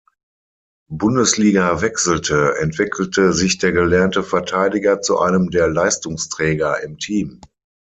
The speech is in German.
Bundesliga wechselte, entwickelte sich der gelernte Verteidiger zu einem der Leistungsträger im Team.